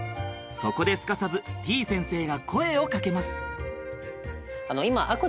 そこですかさずてぃ先生が声をかけます！